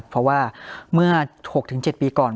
เพราะว่าเมื่อ๖๗ปีก่อน